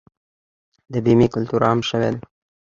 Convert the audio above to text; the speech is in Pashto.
د بیمې کلتور عام شوی دی؟